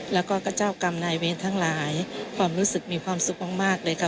แล้วก็เจ้ากรรมนายเวรทั้งหลายความรู้สึกมีความสุขมากเลยค่ะ